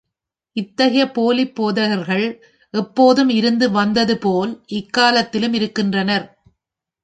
இத்தகைய போலிப் போதகர்கள் எப்போதும் இருந்து வந்ததுபோல், இக்காலத்திலும் இருக்கிறனர்.